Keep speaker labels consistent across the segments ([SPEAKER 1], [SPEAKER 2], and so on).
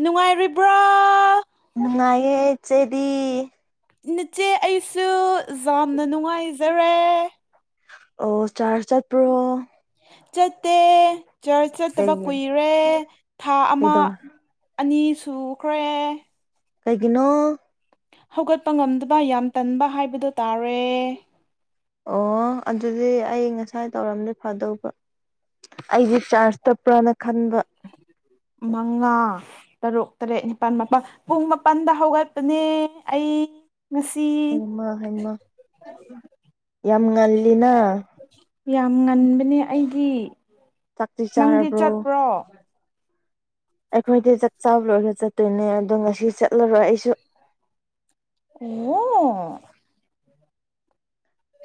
[SPEAKER 1] ꯅꯨꯡꯉꯥꯏꯔꯤꯕ꯭ꯔꯥ
[SPEAKER 2] ꯉꯌꯦ ꯆꯦꯗꯤ
[SPEAKER 1] ꯏ ꯅꯆꯦ ꯑꯩꯁꯨ ꯌꯥꯝꯅ ꯅꯨꯡꯉꯥꯏꯖꯔꯦ
[SPEAKER 2] ꯑꯣ ꯆꯔ ꯆꯠ ꯄ꯭ꯔꯣ
[SPEAKER 1] ꯆꯠꯇꯦ ꯆꯔꯆ ꯆꯠꯇꯕ
[SPEAKER 2] ꯀꯩꯒꯤ
[SPEAKER 1] ꯀꯨꯏꯔꯦ ꯊꯥ ꯑꯃ
[SPEAKER 2] ꯀꯩꯗꯧ
[SPEAKER 1] ꯑꯅꯤ ꯁꯨꯈ꯭ꯔꯦ
[SPEAKER 2] ꯀꯩꯒꯤꯅꯣ
[SPEAKER 1] ꯍꯧꯒꯠꯄ ꯉꯝꯗꯕ ꯌꯥꯝ ꯇꯟꯕ ꯍꯥꯏꯕꯗꯨ ꯇꯥꯔꯦ
[SPEAKER 2] ꯑꯣ ꯑꯗꯨꯗꯤ ꯑꯩ ꯉꯁꯥꯏ ꯇꯧꯔꯝꯗꯤ ꯐꯥꯗꯧꯕ ꯑꯩꯁꯦ ꯆꯥꯔꯖ ꯆꯥꯠꯄ꯭ꯔꯥꯅ ꯈꯟꯕ
[SPEAKER 1] ꯃꯉꯥ ꯇꯔꯨꯛ ꯇꯔꯦꯠ ꯅꯤꯄꯥꯜ ꯃꯥꯄꯜ ꯄꯨꯡ ꯃꯥꯄꯜꯗ ꯍꯧꯒꯠꯄꯅꯦ ꯑꯩ ꯉꯁꯤ
[SPEAKER 2] ꯍꯩꯃ ꯍꯩꯃ ꯌꯥꯝ ꯉꯜꯂꯤꯅ
[SPEAKER 1] ꯌꯥꯝ ꯉꯟꯕꯅꯦ ꯑꯩꯗꯤ
[SPEAKER 2] ꯆꯥꯛꯇꯤ
[SPEAKER 1] ꯅꯪꯗꯤ
[SPEAKER 2] ꯆꯥꯔꯕ꯭ꯔꯣ
[SPEAKER 1] ꯆꯠꯄ꯭ꯔꯣ
[SPEAKER 2] ꯑꯩꯈꯣꯏꯗꯤ ꯆꯥꯛ ꯆꯥꯕ ꯂꯣꯏꯔ ꯆꯠꯇꯣꯏꯅꯦ ꯑꯗꯣ ꯉꯁꯤ ꯆꯠꯂꯔꯣꯏ ꯑꯩꯁꯨ
[SPEAKER 1] ꯑꯣ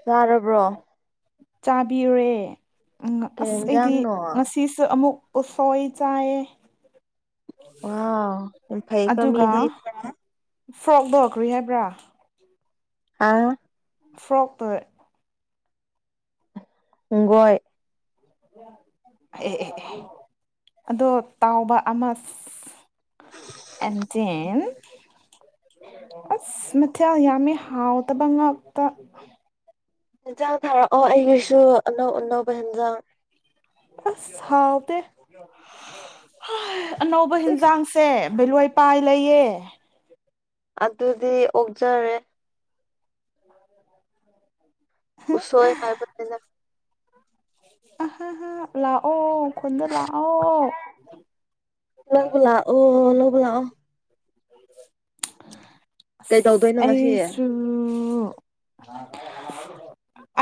[SPEAKER 2] ꯆꯥꯔꯕ꯭ꯔꯣ
[SPEAKER 1] ꯆꯥꯕꯤꯔꯣꯢꯌꯦ ꯎꯝ
[SPEAKER 2] ꯀꯩ
[SPEAKER 1] ꯑꯁ ꯑꯩꯗꯤ
[SPEAKER 2] ꯌꯦꯟꯖꯥꯡꯅꯣ
[SPEAKER 1] ꯉꯁꯤꯁꯨ ꯑꯃꯨꯛ ꯎꯁꯣꯏ ꯆꯥꯏꯌꯦ
[SPEAKER 2] ꯋꯥ ꯌꯥꯝ ꯐꯩꯒꯣ ꯃꯤꯗꯤ
[SPEAKER 1] ꯐ꯭ꯔꯣꯛ ꯂꯣꯈ꯭ꯔꯤ ꯍꯥꯏꯕ꯭ꯔꯥ
[SPEAKER 2] ꯑꯥ
[SPEAKER 1] ꯐ꯭ꯔꯣꯛ ꯇ
[SPEAKER 2] ꯨꯒꯣꯏ [inaudible]
[SPEAKER 1] ꯑꯦ ꯑꯦ ꯑꯗꯣ ꯇꯥꯎꯕ ꯑꯃ ꯑꯦꯟꯖꯤꯟ ꯑꯁ ꯃꯊꯦꯜ ꯌꯥꯝꯃꯤ ꯍꯥꯎꯇꯕ ꯉꯥꯛꯇ
[SPEAKER 2] ꯌꯦꯟꯖꯥꯡ ꯊꯥꯔꯛꯑꯣ ꯑꯩꯒꯤꯁꯨ ꯑꯅꯧ ꯑꯅꯧꯕ ꯍꯦꯟꯖꯥꯡ
[SPEAKER 1] ꯑꯁ ꯍꯥꯎꯗ ꯑꯅꯧꯕ ꯍꯟꯖꯥꯡꯁꯦ ꯕꯦꯂꯣꯏ ꯄꯥꯏ ꯂꯩꯌꯦ
[SPEAKER 2] ꯑꯗꯨꯗꯤ ꯑꯣꯛꯖꯔꯦ ꯎꯁꯣꯏ ꯍꯥꯏꯕꯅꯦ
[SPEAKER 1] ꯍꯥ ꯍꯥ ꯂꯥꯛꯑꯣ ꯈꯨꯗ ꯂꯥꯛꯑꯣ
[SPEAKER 2] ꯂꯧꯕ ꯂꯥꯛꯑꯣ ꯂꯧꯕ ꯂꯥꯛꯑꯣ ꯀꯩꯗꯧꯗꯣꯏꯅꯣ ꯉꯁꯤ
[SPEAKER 1] ꯑꯩꯁꯨ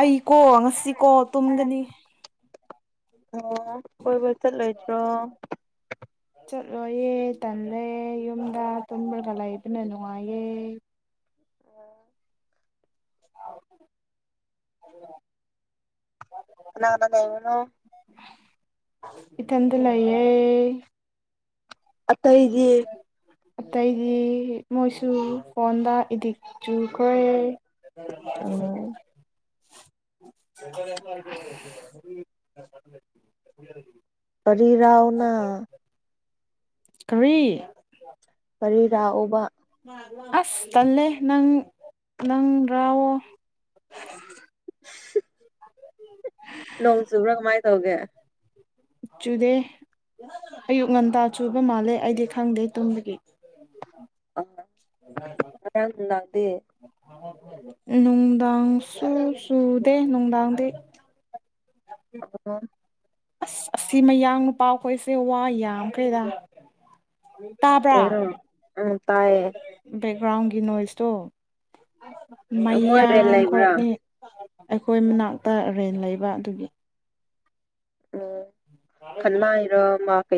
[SPEAKER 1] ꯑꯩꯀꯣ ꯉꯁꯤꯀꯣ ꯇꯨꯝꯒꯅꯤ
[SPEAKER 2] ꯑꯣ ꯀꯣꯏꯕ ꯆꯠꯂꯣꯏꯗ꯭ꯔꯣ
[SPEAKER 1] ꯆꯠꯂꯣꯏꯌꯦ ꯇꯥꯜꯂꯦ ꯌꯨꯝꯗ ꯇꯨꯝꯃꯒ ꯂꯩꯕꯅ ꯅꯨꯡꯉꯥꯏꯌꯦ
[SPEAKER 2] ꯑꯣ
[SPEAKER 1] [unintelligible]
[SPEAKER 2] ꯀꯅꯥꯅꯥ ꯂꯩꯔꯤꯅꯣ
[SPEAKER 1] ꯏꯊꯥꯟꯗ ꯂꯩꯌꯦ
[SPEAKER 2] ꯑꯇꯩꯗꯤ
[SPEAKER 1] ꯑꯇꯩꯗꯤ ꯃꯣꯏꯁꯨ ꯐꯣꯟꯗ ꯏꯗꯤꯛ ꯆꯨꯈ꯭ꯔꯦ ꯂ [inaudible] [inaudible]
[SPEAKER 2] ꯎꯝ ꯇꯔꯤꯔꯥꯎꯅꯥ [inaudible]
[SPEAKER 1] ꯀꯔꯤ
[SPEAKER 2] ꯀꯔꯤꯔꯥꯛꯑꯣꯕ
[SPEAKER 1] ꯑꯁ ꯇꯜꯂꯦ ꯅꯪ ꯅꯪ ꯔꯥꯎꯑꯣ
[SPEAKER 2] ꯅꯣꯡ ꯆꯨꯕ꯭ꯔꯥ ꯀꯃꯥꯏꯅ ꯇꯧꯒꯦ
[SPEAKER 1] ꯆꯨꯗꯦ ꯑꯌꯨꯛ ꯉꯟꯇꯥ ꯆꯨꯕ ꯃꯥꯜꯂꯦ ꯑꯩꯗꯤ ꯈꯪꯗꯦ ꯇꯨꯝꯒꯤ
[SPEAKER 2] ꯀꯅꯥꯁꯨ ꯂꯛꯇꯦ
[SPEAKER 1] ꯅꯨꯡꯗꯥꯡ ꯁꯨꯗꯦ ꯅꯨꯡꯗꯥꯡꯗꯤ
[SPEAKER 2] [unintelligible]
[SPEAKER 1] ꯑꯁ ꯑꯁꯤ ꯃꯌꯥꯡ ꯅꯨꯄꯥꯈꯣꯏꯁꯦ ꯋꯥ ꯌꯥꯝꯈꯔꯦꯗ ꯇꯥꯕ꯭ꯔꯥ
[SPEAKER 2] ꯀꯩꯅꯣ ꯎꯝ ꯇꯥꯏꯌꯦ
[SPEAKER 1] ꯕꯦꯛꯒ꯭ꯔꯥꯎꯟꯒꯤ ꯅꯣꯏꯁꯇꯣ
[SPEAKER 2] ꯃꯣꯏ ꯔꯦꯟ ꯂꯩꯕ꯭ꯔꯥ
[SPEAKER 1] ꯃꯌꯥꯡꯈꯣꯣꯏꯅꯤ ꯑꯩꯈꯣꯏ ꯃꯅꯥꯛꯇ ꯔꯦꯟ ꯂꯩꯕ ꯑꯗꯨꯒꯤ
[SPEAKER 2] ꯑꯣꯝ ꯀꯃ ꯍꯥꯏꯔꯣ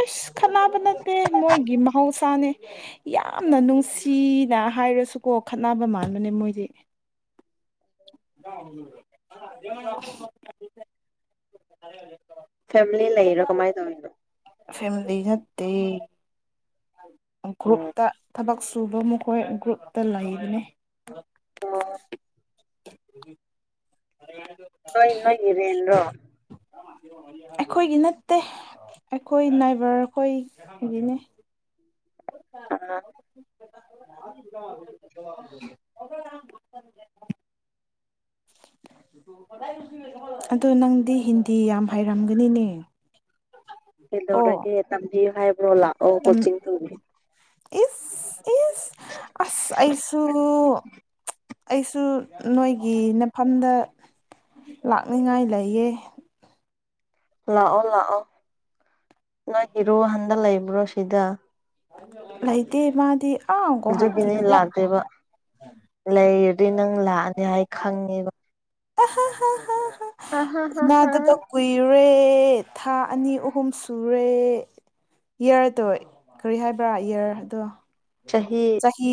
[SPEAKER 1] ꯑꯁ ꯈꯅꯕ ꯅꯠꯇꯦ ꯃꯣꯏꯒꯤ ꯃꯍꯧꯁꯥꯅꯦ ꯌꯥꯝꯅ ꯅꯨꯡꯁꯤꯅ ꯍꯥꯏꯔꯁꯨꯀꯣ ꯈꯠꯅꯕ ꯃꯥꯟꯕꯅꯦ ꯃꯣꯏꯁ [unintelligible]
[SPEAKER 2] ꯐꯦꯃꯤꯂꯤ ꯂꯩꯔꯣ ꯀꯃꯥꯏꯅ ꯇꯧꯔꯤꯅꯣ
[SPEAKER 1] ꯑꯇꯩ
[SPEAKER 2] ꯑꯣ
[SPEAKER 1] ꯅꯠꯇꯦꯒ꯭ꯔꯨꯞꯇ ꯊꯕꯛ ꯛ ꯁꯨꯕ ꯃꯈꯣꯏ ꯒ꯭ꯔꯨꯞꯇ ꯂꯩꯕꯅꯤ
[SPEAKER 2] ꯑꯣ
[SPEAKER 1] [inaudible]
[SPEAKER 2] ꯀꯅꯣ ꯏꯔꯦꯅ꯭ꯔꯣ
[SPEAKER 1] ꯑꯩꯈꯣꯏꯒꯤ ꯅꯠꯇꯦ ꯑꯩꯈꯣꯏ ꯅꯥꯏꯕꯔꯈꯣꯏꯒꯤꯅꯤ
[SPEAKER 2] ꯑ
[SPEAKER 1] p....
[SPEAKER 2] [unintelligible]
[SPEAKER 1] ꯑꯗꯣ ꯅꯪꯗꯤ ꯍꯤꯟꯗꯤ ꯌꯥꯝ ꯍꯥꯏꯩꯔꯝꯒꯅꯤꯅꯦ
[SPEAKER 2] ꯀꯩꯗꯧꯔꯒꯦ ꯇꯝꯕꯤꯌꯨ ꯍꯥꯏꯕ꯭ꯔꯣ ꯂꯥꯛꯑꯣ ꯀꯣꯆꯤꯡ ꯇꯧꯕꯒ
[SPEAKER 1] ꯏ ꯏ ꯑꯁ ꯑꯩꯁꯨ ꯑꯩꯁꯨ ꯅꯣꯏꯒꯤ ꯅꯐꯝꯗ ꯂꯥꯛꯅꯤꯡꯉꯥꯏ ꯂꯩꯌꯦ
[SPEAKER 2] ꯂꯥꯛꯑꯣ ꯂꯥꯛꯑꯣ ꯅꯣꯏ ꯍꯤꯔꯨ ꯍꯟꯗ ꯂꯩꯕ꯭ꯔꯣ ꯁꯤꯗ
[SPEAKER 1] ꯂꯩꯇꯦ ꯃꯥꯗꯤ ꯑꯥ
[SPEAKER 2] ꯑꯗꯨꯒꯤꯅꯦ
[SPEAKER 1] ꯒꯨꯍꯥꯇꯤꯗ
[SPEAKER 2] ꯂꯥꯛꯇꯦꯕ ꯂꯩꯔꯗꯤ ꯅꯪ ꯂꯥꯛꯑꯅꯤ ꯍꯥꯏ ꯈꯪꯉꯦꯕ ꯍꯥ ꯍꯥ ꯍꯥ ꯍꯥ
[SPEAKER 1] ꯎꯗꯗ ꯀꯣꯏꯔ ꯣꯔꯦ ꯊꯥ ꯑꯅꯤ ꯑꯍꯨꯝ ꯁꯨꯔꯦ ꯏꯌꯔꯗꯣ ꯀꯔꯤ ꯍꯥꯏꯕ꯭ꯔꯥ ꯏꯌꯔ ꯑꯗꯣ ꯆꯍꯤ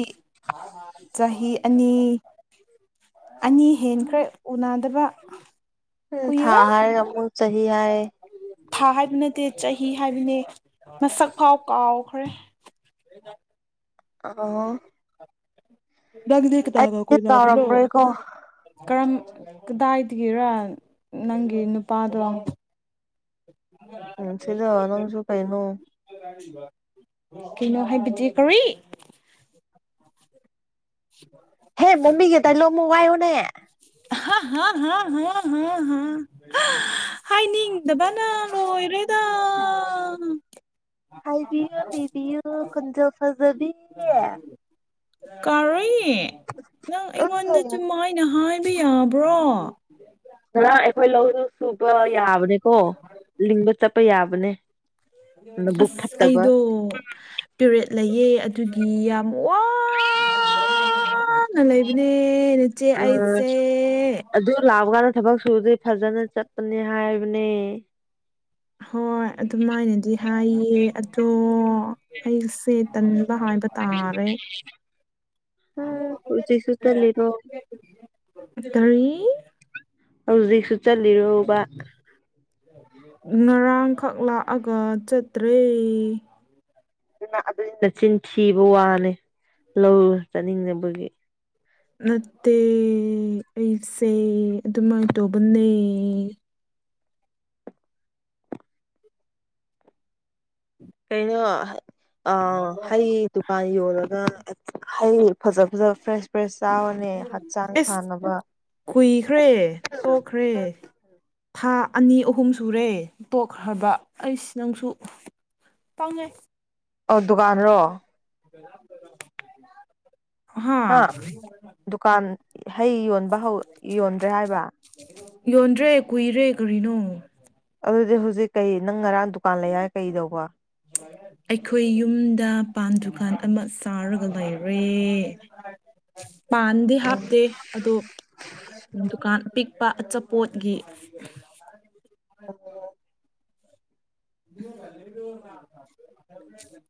[SPEAKER 1] ꯆꯍꯤ ꯑꯅꯤ ꯑꯅꯤ ꯍꯦꯟꯈ꯭ꯔꯦ ꯎꯅꯗꯕ
[SPEAKER 2] ꯊꯥ
[SPEAKER 1] ꯀꯨꯏꯒ
[SPEAKER 2] ꯍꯥꯏꯔꯒ ꯑꯃꯨꯛ ꯆꯍꯤ ꯍꯥꯏ
[SPEAKER 1] ꯊꯥ ꯍꯥꯏꯕ ꯅꯠꯇꯦ ꯆꯍꯤ ꯍꯥꯏꯕꯅꯦ ꯃꯁꯛ ꯐꯥꯎ ꯀꯥꯎ ꯐꯔꯦ
[SPEAKER 2] ꯑ
[SPEAKER 1] ꯗꯒ ꯗ ꯀ ꯇꯒ ꯀꯣꯏ ꯂꯕꯅꯣ
[SPEAKER 2] ꯀꯥꯎꯔꯝꯕ꯭ꯔꯣꯏꯀꯣ
[SPEAKER 1] ꯀꯔꯝ ꯀꯗꯥꯏꯗꯒꯤꯔꯣ ꯅꯪꯒꯤ ꯅꯨꯄꯥꯗꯣ
[SPEAKER 2] ꯎ ꯁꯤꯗꯅꯁꯨ ꯀꯥꯏꯅꯣ
[SPEAKER 1] ꯀꯩꯅꯣ ꯍꯥꯏ ꯕꯤꯗꯤ ꯀꯏ
[SPEAKER 2] ꯍꯦ ꯣꯝꯕꯤꯒꯦ ꯇꯥꯏꯂꯣ ꯑꯃꯨꯛ ꯋꯥꯏꯌꯣꯅꯦ
[SPEAKER 1] ꯍꯥ ꯍꯥꯏꯅꯤ ꯗꯕꯅꯥ ꯑꯣꯏ ꯑꯣꯏꯔꯗ
[SPEAKER 2] ꯍꯥꯏꯕꯤꯌꯨ ꯂꯤꯕꯤꯌꯨ ꯈꯟꯖ ꯐꯖꯕꯤ
[SPEAKER 1] ꯀꯥꯔꯣꯏꯌꯦ ꯅꯪ
[SPEAKER 2] ꯎꯝ
[SPEAKER 1] ꯑꯩꯉꯣꯟꯗꯁꯨꯨꯝ ꯃꯥꯏꯅ ꯍꯥꯏ ꯌꯥꯕ꯭ꯔꯣ
[SPEAKER 2] ꯉꯔꯥꯡ ꯑꯩꯈꯣꯏ ꯂꯧꯗꯨ ꯁꯨꯕ ꯌꯥꯕꯅꯦꯀꯣ ꯂꯤꯡꯕ ꯆꯠꯄ ꯌꯥꯕꯅꯦ ꯅꯕꯨꯛ
[SPEAKER 1] ꯑꯁ
[SPEAKER 2] ꯐꯠꯇꯕ
[SPEAKER 1] ꯑꯩꯗꯣ ꯄꯦꯔꯦꯠ ꯂꯩꯌꯦ ꯑꯗꯨꯒꯤ ꯌꯥꯝ ꯋꯥ ꯂꯩꯕꯅꯦ ꯏꯆꯦ
[SPEAKER 2] ꯎꯝ
[SPEAKER 1] ꯑꯩꯁꯦ
[SPEAKER 2] ꯑꯗꯨ ꯂꯥꯛꯄ ꯀꯥꯟꯗ ꯊꯕꯛ ꯁꯨꯕꯗꯤ ꯐꯖꯅ ꯆꯠꯄꯅꯤ ꯍꯥꯏꯕꯅꯦ
[SPEAKER 1] ꯍꯣꯏ ꯑꯗꯨꯃꯥꯏꯅꯗꯤ ꯍꯥꯏꯌꯦ ꯑꯗꯣ ꯑꯩꯁꯦ ꯇ ꯍꯕ ꯇꯥꯔꯦ
[SPEAKER 2] ꯍꯥ ꯍꯧꯖꯤꯛꯁꯨ ꯆ ꯂꯩꯔꯣ
[SPEAKER 1] ꯇꯔꯤ
[SPEAKER 2] ꯍꯧꯖꯤꯛꯁꯨ ꯆꯠꯂꯤꯔꯨꯕ
[SPEAKER 1] ꯉꯔꯥꯡꯈꯛ ꯂꯥꯛꯑꯒ ꯆꯠꯇ꯭ꯔꯦ
[SPEAKER 2] ꯑꯗꯨꯅ ꯑꯗꯨꯅꯆꯤꯟ ꯊꯤꯕ ꯋꯥꯅꯤ ꯂꯧꯔ ꯆꯥꯅꯤꯡꯅꯕꯒꯤ
[SPEAKER 1] ꯅꯠꯇꯦ ꯑꯩꯁꯦ ꯑꯗꯨꯃꯥꯏꯅ ꯇꯧꯕꯅꯦ
[SPEAKER 2] ꯀꯩꯅꯣ ꯑ ꯍꯩ ꯗꯨꯀꯥꯟ ꯌꯣꯜꯂꯒ ꯍꯩ ꯐꯖ ꯐꯖꯕ ꯐ꯭ꯔꯦꯁ ꯐ꯭ꯔꯦꯁ ꯆꯥꯔꯅꯦ ꯍꯛꯆꯥꯡ
[SPEAKER 1] ꯑꯦꯁ
[SPEAKER 2] ꯐꯥꯅꯕ
[SPEAKER 1] ꯀꯨꯏꯈ꯭ꯔꯦ ꯇꯣꯛꯈ꯭ꯔꯦ ꯊꯥ ꯑꯅꯤ ꯑꯍꯨꯝ ꯁꯨꯔꯦ ꯇꯣꯛꯈ꯭ꯔꯕ ꯑꯩꯁ ꯅꯪꯁꯨ ꯄꯥꯡꯉꯩ
[SPEAKER 2] ꯑ ꯗꯨꯀꯥꯟꯔꯣ
[SPEAKER 1] [inaudible]
[SPEAKER 2] ꯍꯥ ꯗꯨꯀꯥꯟ ꯍꯩ ꯌꯣꯟꯕ ꯍꯧ ꯌꯣꯟꯗ꯭ꯔꯦ ꯍꯥꯏꯕ
[SPEAKER 1] ꯌꯣꯟꯗ꯭ꯔꯦ ꯀꯨꯏꯔꯦ ꯀꯔꯤꯅꯣ
[SPEAKER 2] ꯑꯗꯨꯗ
[SPEAKER 1] ꯑꯩꯈꯣꯏ ꯌꯨꯝꯗ ꯄꯝ ꯗꯨꯀꯥꯟ ꯑꯃ ꯆꯥꯔꯒ ꯂꯩꯔꯦ ꯄꯥꯟꯗꯤ ꯍꯥꯞꯇꯦ ꯑꯗꯣ ꯗꯨꯀꯥꯟ ꯄꯤꯛ ꯑꯄꯥ ꯑꯆꯥꯄꯣꯠꯒꯤ
[SPEAKER 2] ꯎꯝ
[SPEAKER 1] ꯎ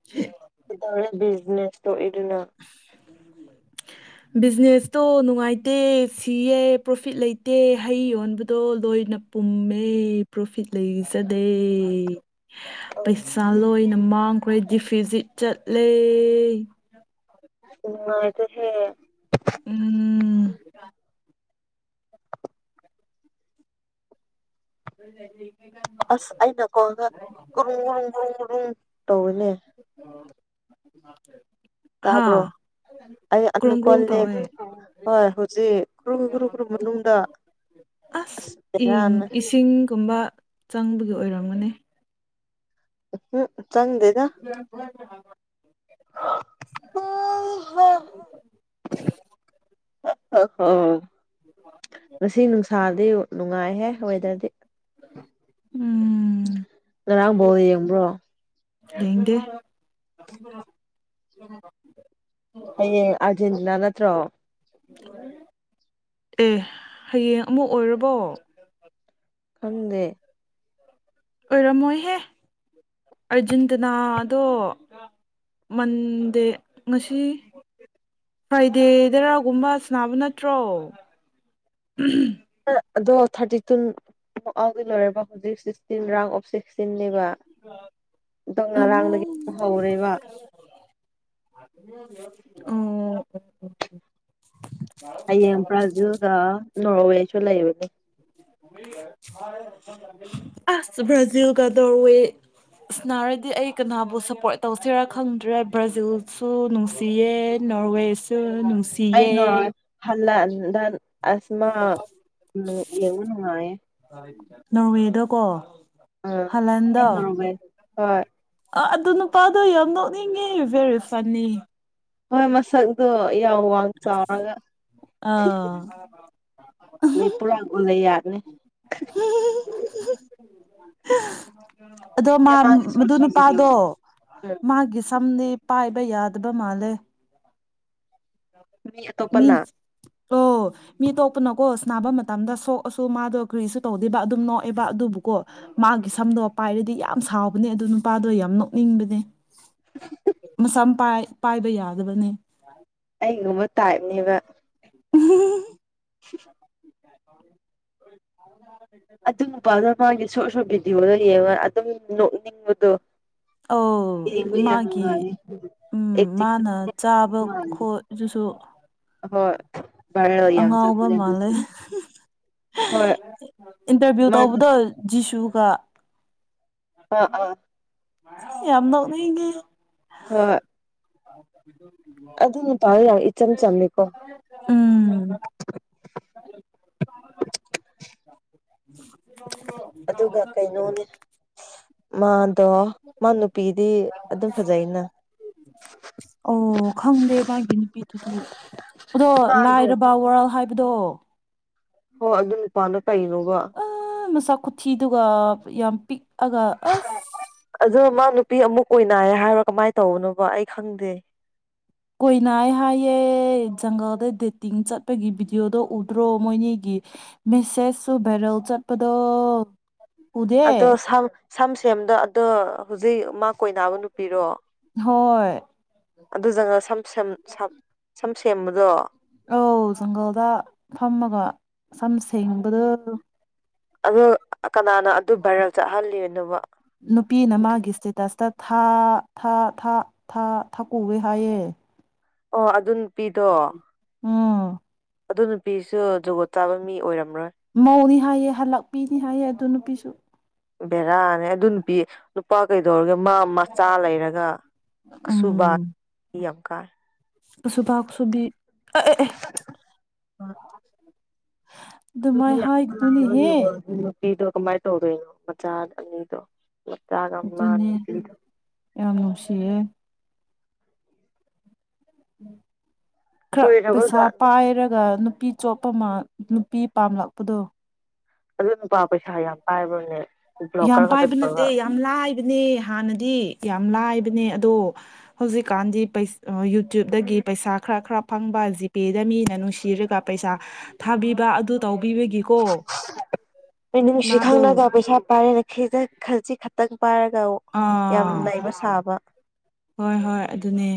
[SPEAKER 2] ꯁꯤꯇꯥꯔ ꯕꯤꯖꯤꯅꯦꯁ ꯇꯣ ꯏꯗꯨꯅ
[SPEAKER 1] ꯕꯤꯖꯤꯅꯦꯁꯇꯣ ꯅꯨꯡꯉꯥꯏꯇꯦ ꯁꯤꯌꯦ ꯄ꯭ꯔꯣꯐꯤꯠ ꯂꯩꯇꯦ ꯍꯩ ꯌꯣꯟꯕꯗꯣ ꯂꯣꯏꯅ ꯄꯨꯝꯃꯦ ꯄ꯭ꯔꯣꯐꯤꯠ ꯂꯩꯖꯗꯦ ꯄꯩꯁꯥ ꯂꯣꯏꯅ ꯃꯥꯡꯈ꯭ꯔꯦ ꯗꯤꯐꯤꯖꯤꯠ ꯆꯠꯂꯦ
[SPEAKER 2] ꯎꯗ ꯍꯦ
[SPEAKER 1] ꯑ ꯎ
[SPEAKER 2] ꯑꯁ ꯑꯩꯅꯀꯣ ꯀꯨꯝ ꯔꯨꯝ ꯀ꯭ꯔꯨꯝ ꯨꯝ ꯇꯧꯋꯅꯦ
[SPEAKER 1] ꯑꯦ
[SPEAKER 2] ꯇꯥꯕ꯭ꯔꯣ ꯑꯩ
[SPEAKER 1] ꯀ꯭ꯔꯣꯡ
[SPEAKER 2] ꯑꯅꯨꯀꯣꯜꯅꯦ
[SPEAKER 1] ꯇꯧꯋꯦ
[SPEAKER 2] ꯍꯣꯏ ꯍꯧꯖꯤꯛ ꯭ꯔꯨ ꯭ꯔꯨ ꯭ꯔꯨ ꯃꯅꯨꯡꯗ
[SPEAKER 1] ꯑꯁ ꯏꯟ
[SPEAKER 2] ꯑꯁꯔꯅ
[SPEAKER 1] ꯏꯁꯤꯡꯒꯨꯝꯕ ꯆꯪꯕꯒꯤ ꯑꯣꯏꯔꯝꯒꯅꯤ
[SPEAKER 2] ꯎꯝ
[SPEAKER 1] ꯎ [unintelligible]
[SPEAKER 2] ꯍ ꯍꯣ ꯉꯁꯤ ꯅꯨꯡꯁꯥꯗꯤ ꯅꯨꯡꯉꯥꯏꯍꯦ ꯋꯦꯗꯔꯗꯤ
[SPEAKER 1] ꯎꯝ
[SPEAKER 2] ꯉꯔꯥꯡ ꯐꯥꯎꯗ ꯌꯦꯡꯕ꯭ꯔꯣ
[SPEAKER 1] ꯏꯗꯦ
[SPEAKER 2] ꯍꯌꯦꯡ ꯑꯥꯔꯖꯦꯟꯇꯤꯅꯥ ꯅꯠꯇ꯭ꯔꯣ
[SPEAKER 1] ꯑꯦ ꯍꯌꯦꯡ ꯑꯃꯨꯛ ꯑꯣꯏꯔꯕꯣ
[SPEAKER 2] ꯈꯪꯗꯦ
[SPEAKER 1] ꯑꯣꯏꯔꯝꯃꯣꯏꯍꯦ ꯑꯔꯖꯦꯟꯇꯤꯅꯥꯗꯣ ꯃꯗꯦ ꯉꯁꯤ ꯐ꯭ꯔꯥꯏꯗꯦ ꯗꯔꯥꯒꯨꯝꯕ ꯁꯅꯕ ꯅꯠꯇ꯭ꯔꯣ
[SPEAKER 2] ꯑꯗꯣ ꯊꯥꯔꯇꯤ ꯇꯨꯛꯥꯎꯒꯤ ꯂꯣꯏꯔꯕ ꯍꯧꯖꯤꯛ ꯁꯤꯛꯁꯇꯤꯟ ꯔꯥꯎꯟ ꯑꯣꯐ ꯁꯤꯛꯁꯇꯤꯟꯅꯦꯕ ꯑꯗꯣ ꯉꯔꯥꯡꯗꯒꯤ ꯍꯧꯔꯦꯕ
[SPEAKER 1] ꯑꯣ ꯎꯝ
[SPEAKER 2] ꯍꯌꯦꯡ ꯕ꯭ꯔꯥꯖꯤꯜꯒ ꯅꯣꯔꯋꯦꯁꯨ ꯂꯩꯕꯅꯦ
[SPEAKER 1] ꯑꯁ ꯕ꯭ꯔꯥꯖꯤꯜ ꯀꯗꯧꯔꯋꯦ ꯏꯁꯁꯅꯥꯔꯗꯤ ꯑꯩ ꯀꯅꯥꯕꯨ ꯁꯞꯄꯣꯔꯠ ꯇꯧꯁꯤꯔꯥ ꯈꯪꯗ꯭ꯔꯦ ꯕ꯭ꯔꯥꯖꯤꯜꯁꯨ ꯅꯨꯡꯁꯤꯌꯦ ꯅꯣꯔꯋꯦꯁ
[SPEAKER 2] ꯑꯩꯅ ꯍꯜꯂ ꯑꯁꯃ ꯎꯝ ꯌꯦꯉꯅꯨꯡꯌꯦ
[SPEAKER 1] ꯅꯣꯔꯋꯦꯗꯀꯣ
[SPEAKER 2] ꯑ
[SPEAKER 1] ꯍꯂꯟꯗꯣ
[SPEAKER 2] ꯍ
[SPEAKER 1] ꯑꯥ ꯑꯗꯨ ꯅꯨꯄꯥꯗꯣ ꯌꯥꯝ ꯅꯣꯛꯅꯤꯡꯉꯤ ꯚꯦꯔꯤ ꯐꯟꯅꯤ
[SPEAKER 2] ꯍꯣꯏ ꯃꯁꯛꯇꯣ ꯌꯥꯝ ꯋꯥꯡ ꯆꯥꯎꯔꯒ
[SPEAKER 1] ꯑꯥ
[SPEAKER 2] ꯑ ꯄꯨꯔꯥꯒ ꯂꯩ ꯌꯥꯔꯅꯤ
[SPEAKER 1] [unintelligible] ꯑꯗꯣ
[SPEAKER 2] ꯃꯥꯒꯤ ꯁꯣꯔꯠ
[SPEAKER 1] ꯃꯗꯨ
[SPEAKER 2] ꯁꯣꯔꯠ
[SPEAKER 1] ꯅꯨꯄꯥꯗꯣ
[SPEAKER 2] ꯚꯤꯗꯤꯑꯣꯁꯨ ꯎꯝ
[SPEAKER 1] ꯃꯥꯒꯤ ꯁꯝꯅꯦ ꯄꯥꯏꯕ ꯌꯥꯗꯕ ꯃꯥꯜꯂꯦ ꯃꯤ ꯑꯣ ꯃꯤ ꯇꯣ ꯅ ꯀꯣ ꯅꯥꯕ ꯃꯇꯝꯗ ꯁꯣꯛꯑꯁꯨ ꯃꯥꯗꯣ ꯀ꯭ꯔꯤꯁꯨ ꯇꯧꯗꯦꯕ ꯑꯗꯨꯝ ꯅꯣꯛꯑꯦꯕ ꯑꯗꯨꯕꯨꯀꯣ ꯃꯥꯒꯤ ꯁꯝ ꯑꯗꯣ ꯄꯥꯏꯔꯗꯤ ꯌꯥꯝ ꯁꯥꯎꯕꯅꯦ ꯑꯗꯨ ꯅꯨꯄꯥꯗꯣ ꯌꯥꯝ ꯅꯣꯛꯅꯤꯡꯕꯅꯦ ꯃꯁꯥꯝ ꯄꯥꯏꯕ ꯌꯥꯗꯕꯅꯦ
[SPEAKER 2] ꯒꯃ ꯇ ꯍꯥꯏꯕꯅꯤꯕ
[SPEAKER 1] ꯎ
[SPEAKER 2] ꯑꯗꯨ ꯅꯨꯄꯥꯗꯨꯣ ꯃꯥꯒꯤ ꯁꯣꯔꯠ ꯁꯣꯔꯠ ꯚꯤꯗꯤꯑꯣꯗꯣ ꯌꯦꯡꯉ ꯑꯗꯨꯝ ꯅꯣꯛꯅꯤꯡꯕꯗꯣ
[SPEAKER 1] ꯑ
[SPEAKER 2] ꯌꯦꯡꯕ ꯌꯥꯝ
[SPEAKER 1] ꯃꯥꯒꯤꯦ
[SPEAKER 2] ꯅꯨꯡꯉꯥꯏꯌꯦ
[SPEAKER 1] ꯎꯝ
[SPEAKER 2] ꯑꯦꯛꯇꯤꯡ
[SPEAKER 1] ꯃꯥꯅ ꯆꯥꯕ
[SPEAKER 2] ꯃꯥꯜꯂꯦ
[SPEAKER 1] ꯈꯣꯠꯁꯨ
[SPEAKER 2] ꯍꯣꯏ ꯚꯥꯏꯔꯦꯜ ꯌꯥꯝ
[SPEAKER 1] ꯑꯉꯥꯎꯕ
[SPEAKER 2] ꯆꯠꯄꯅꯦ
[SPEAKER 1] ꯃꯥꯜꯂꯦ
[SPEAKER 2] ꯑꯗꯨꯁꯨ ꯍꯣꯏ
[SPEAKER 1] ꯏꯟꯇꯔꯚꯤꯌꯨ
[SPEAKER 2] ꯃꯥ
[SPEAKER 1] ꯇꯧꯕꯗꯣ
[SPEAKER 2] ꯅꯨꯄꯥ
[SPEAKER 1] ꯖꯤꯁꯨꯒ
[SPEAKER 2] ꯑꯥ ꯑꯥ
[SPEAKER 1] ꯌꯥꯝꯅꯒ
[SPEAKER 2] ꯍꯣꯏ
[SPEAKER 1] ꯑ
[SPEAKER 2] ꯑꯗꯨꯅ ꯄꯥꯎ ꯌꯥ ꯏꯆꯝ ꯆꯝꯃꯤꯀꯣ
[SPEAKER 1] ꯎꯝ [unintelligible]
[SPEAKER 2] ꯑꯗꯨꯒ ꯀꯩꯅꯣꯅꯦ ꯃꯥꯗꯣ ꯃꯥ ꯅꯨꯄꯤꯗꯤ ꯑꯗꯨꯝ ꯐꯖꯩꯩꯅ
[SPEAKER 1] ꯑꯣ ꯈꯪꯗꯦ ꯃꯥꯒꯤ ꯅꯨꯄꯤꯗꯨꯗꯤ ꯑꯗꯣ
[SPEAKER 2] ꯃꯥꯗꯣ
[SPEAKER 1] ꯂꯥꯏꯔꯕ ꯋꯥꯔꯜ ꯍꯥꯏꯕꯗꯣ
[SPEAKER 2] ꯍꯣꯏ ꯑꯗꯨ ꯅꯨꯄꯥꯅ ꯀꯩꯅꯣꯕ
[SPEAKER 1] ꯃꯁꯥ ꯈꯨꯊꯤꯗꯨꯒ ꯌꯥꯝ ꯄꯤꯛꯑꯒ ꯑꯁ
[SPEAKER 2] ꯑꯗꯣ ꯃꯥ ꯅꯨꯄꯤ ꯑꯃꯨꯛ ꯑꯣꯏꯅꯑ ꯍꯥꯏꯔꯣ ꯀꯃꯥꯏꯅ ꯇꯧꯕꯅꯣꯕ ꯑꯩ ꯈꯪꯗꯦ
[SPEAKER 1] ꯀꯣꯏꯅꯥ ꯑꯩ ꯍꯥꯏꯌꯦꯦ ꯖꯪꯒꯜꯗ ꯗꯦꯇꯤꯡ ꯆꯠꯄꯒꯤ ꯚꯤꯗꯤꯑꯣꯗꯣ ꯎꯗ꯭ꯔꯣ ꯃꯣꯏꯅꯤꯒꯤ ꯃꯤꯁꯦꯁꯁꯨ ꯚꯦꯔꯦꯜ ꯆꯠꯄꯗꯣ ꯎꯗꯦ
[SPEAKER 2] ꯑꯗꯣꯝ ꯁꯝ ꯁꯦꯝꯦꯝꯗꯣ ꯑꯗꯣ ꯍꯧꯖꯤꯛ ꯃꯥ ꯀꯣꯏꯕ ꯅꯨꯄꯤꯔꯣ
[SPEAKER 1] ꯍꯣꯏ
[SPEAKER 2] ꯑꯗꯨꯖꯅ ꯁꯝ ꯁꯦꯝꯕꯗꯣ
[SPEAKER 1] ꯑꯧ ꯖꯪꯒꯜꯗ ꯐꯝꯃꯒ ꯁꯝ ꯁꯦꯡꯕꯗꯨ
[SPEAKER 2] ꯑ ꯀꯅꯥꯅ ꯑꯗꯨ ꯚꯔꯦꯜ ꯆꯠꯍꯜꯂꯤꯕꯅꯣꯕ
[SPEAKER 1] ꯅꯨꯄꯤꯅ
[SPEAKER 2] ꯑꯗꯨ
[SPEAKER 1] ꯃꯥꯒꯤ ꯏꯁꯇꯦꯇꯁꯇ ꯊꯥ ꯊꯥ ꯊꯥ ꯊꯥ ꯊꯥꯛ ꯀꯧꯦ ꯍꯥꯏꯌꯦꯦ
[SPEAKER 2] ꯑꯣ ꯑꯗꯨ ꯑꯗꯨꯅ
[SPEAKER 1] ꯑꯝ
[SPEAKER 2] ꯑꯗꯨ ꯅꯨꯄꯤꯁꯨ ꯖꯒꯣꯠ ꯆꯥꯕ ꯃꯤ ꯑꯣꯏꯔꯝ
[SPEAKER 1] ꯃꯧꯅꯤ ꯍꯥꯏꯌꯦ ꯍꯜꯂꯛꯄꯤꯅꯤ ꯍꯥꯏꯌꯦ ꯑꯗꯨ ꯅꯨꯄꯤꯁꯨ
[SPEAKER 2] ꯕꯔꯥꯅꯦ ꯑꯗꯨ ꯅꯨꯄꯤꯤ ꯅꯨꯄꯥ ꯀꯩ ꯀꯗꯧꯔꯒ ꯃꯥ ꯃꯆꯥ ꯂꯩꯔꯒ ꯑꯁꯨꯕ ꯌꯥꯝ ꯀꯥꯏ
[SPEAKER 1] ꯁꯕꯥꯥꯛ ꯁꯕꯤ
[SPEAKER 2] ꯑꯗꯨꯗꯤ ꯑꯒꯤ ꯅꯨꯄꯤꯗꯣ ꯀꯃꯥꯏꯅ ꯇꯧꯗꯣꯏꯅꯣ ꯃꯆꯥ ꯑꯅꯤꯗꯣ
[SPEAKER 1] ꯑꯗꯨꯅꯦ
[SPEAKER 2] ꯃꯠꯇꯒꯝꯃꯁꯤꯗ
[SPEAKER 1] ꯌꯥꯝ ꯅꯨꯡꯁꯤꯌꯦ ꯈ ꯄꯩꯁꯥ
[SPEAKER 2] ꯀꯨꯏꯔꯕꯖꯥꯠꯅꯤ
[SPEAKER 1] ꯄꯥꯏꯔꯒ ꯅꯨ ꯅꯨꯄꯤ ꯆꯣꯞꯄ ꯑꯃ ꯅꯨꯄꯤ ꯄꯥꯝꯂꯛꯄꯗꯣ
[SPEAKER 2] ꯑꯗꯨ ꯅꯨꯄꯥ ꯄꯩꯁꯥ ꯌꯥꯝ ꯄꯥꯏꯕ꯭ꯔꯅꯦ
[SPEAKER 1] ꯌꯥꯝ
[SPEAKER 2] ꯕ꯭ꯂꯣꯀꯔ ꯈꯛꯇ
[SPEAKER 1] ꯄꯥꯏꯕ
[SPEAKER 2] ꯇꯧꯔꯒ
[SPEAKER 1] ꯅꯠꯇꯦ ꯌꯥꯝ ꯂꯥꯏꯕꯅꯦ ꯍꯥꯟꯅꯗꯤ ꯌꯥꯝ ꯂꯥꯏꯕꯅꯦ ꯑꯗꯣ ꯍꯧꯖꯤꯛꯀꯥꯟꯗꯤ ꯌꯨꯇ꯭ꯌꯨꯕꯇꯗꯒꯤ ꯄꯩꯁꯥ ꯈꯔ ꯈꯔ ꯐꯪꯕ ꯖꯤꯄꯦꯗ ꯃꯤꯅ ꯅꯨꯡꯁꯤꯔꯒ ꯄꯩꯁꯥ ꯊꯥꯕꯤꯕ ꯑꯗꯨ ꯇꯧꯕ
[SPEAKER 2] ꯑꯩ ꯅꯨꯡꯁꯤ
[SPEAKER 1] ꯃꯥꯗꯣ
[SPEAKER 2] ꯈꯪꯅꯒ ꯄꯩꯁꯥ ꯄꯥꯏꯔꯦꯅ ꯈꯤꯗ ꯈꯜꯁꯤ ꯈꯛꯇꯪ ꯄꯥꯏꯔꯒ ꯌꯥꯝ
[SPEAKER 1] ꯑꯥ
[SPEAKER 2] ꯂꯩꯏꯕ ꯁꯥꯕ
[SPEAKER 1] ꯍꯣꯏ ꯍꯣꯏ ꯑꯗꯨꯅꯦ